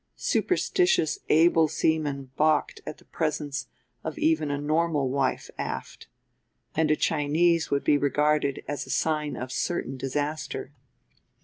Superstitious able seamen balked at the presence of even a normal wife aft; and a Chinese would be regarded as a sign of certain disaster.